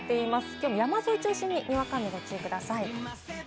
きょうは山沿いを中心に雨にご注意ください。